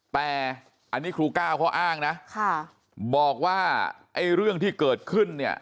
แต่อันนี้ครูก้าวเขาอ้างนะบอกว่าไอ้เรื่องที่เกิดขึ้นเนี่ย